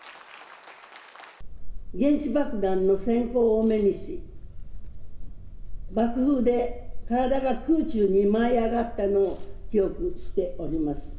原子爆弾のせん光を目にし、爆風で体が空中に舞い上がったのを記憶しております。